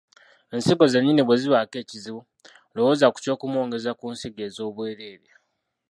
Ensigo zennyini bwezibaako ekizibu, lowooza ku ky’okumwongeza ku nsigo ezobwereere.